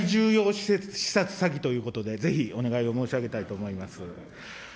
最重要視察ということで、ぜひお願いを申し上げたいと思います。